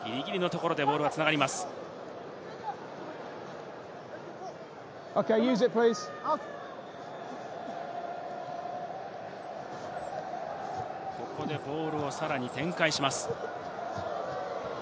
ここでボールをさらに展開します。